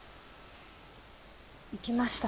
行きました。